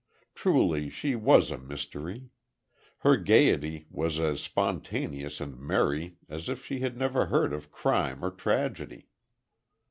Truly, she was a mystery! Her gayety was as spontaneous and merry as if she had never heard of crime or tragedy.